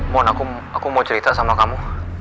mohon aku mau cerita sama kamu